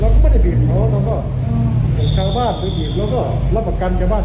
เราก็ไม่ได้ผิดเขาเราก็แต่ชาวบ้านไม่ผิดเราก็รับประกันชาวบ้าน